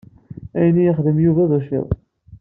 Ayen i yexdem Yuba d ucciḍ.